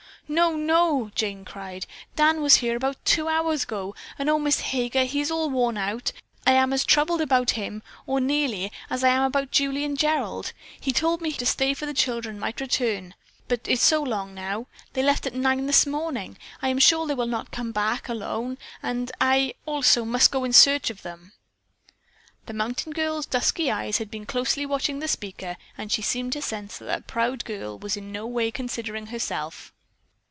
"No, no!" Jane cried. "Dan was here two hours ago, and, oh, Miss Heger, he is all worn out. I am as troubled about him, or nearly, as I am about Julie and Gerald. He told me to stay here for the children might return, but it is so long now. They left at nine this morning. I am sure they will not come back alone and I, also, must go in search of them." The mountain girl's dusky eyes had been closely watching the speaker and she seemed to sense that the proud girl was in no way considering herself.